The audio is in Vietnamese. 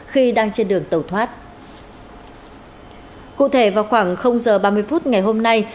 khi đang trên đường tàu thoát cụ thể vào khoảng h ba mươi phút ngày hôm nay